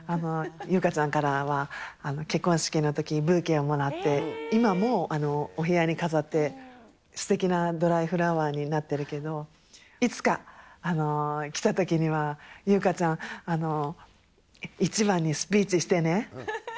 優香ちゃんからは結婚式のとき、ブーケをもらって、今もお部屋に飾って、すてきなドライフラワーになってるけど、いつかきたときには、優香ちゃん、１番にスピーチしてね。